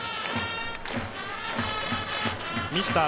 ミスター